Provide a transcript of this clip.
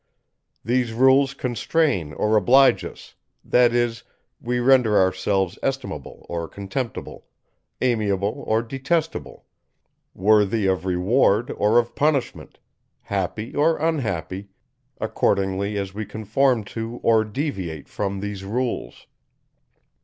These rules constrain or oblige us; that is, we render ourselves estimable or contemptible, amiable or detestable, worthy of reward or of punishment, happy or unhappy, accordingly as we conform to, or deviate from these rules.